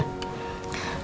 terima kasih dok